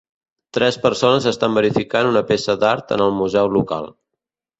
Tres persones estan verificant una peça d'art en el museu local.